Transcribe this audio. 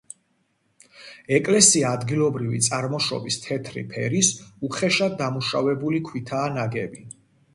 ეკლესია ადგილობრივი წარმოშობის თეთრი ფერის უხეშად დამუშავებული ქვითაა ნაგები.